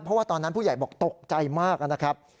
เพราะว่าตอนนั้นผู้ใหญ่บอกตกใจมากนะครับ